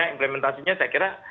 implementasinya saya kira